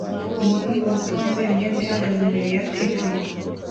umuhungu muto wambaye imyenda ihagaze imbere ya TV